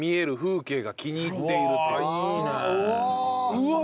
うわ！